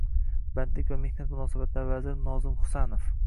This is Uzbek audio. Bandlik va mehnat munosabatlari vaziri Nozim Husanov